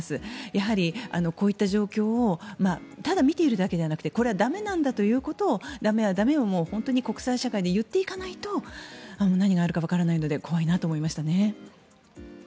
やはりこういった状況をただ見ているだけではなくてこれは駄目なんだということを駄目は駄目を本当に国際社会で言っていかないと何があるのかわからないので怖いなと思いましたね。